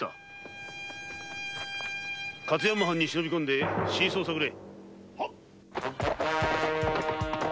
勝山藩に忍び込んで真相を探れ！